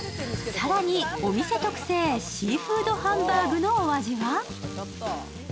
更に、お店特製シーフードハンバーグのお味は？